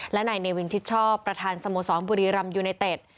และนายเนวินชิดชอบประธานสโมสรบุรีรำยูไนเต็ด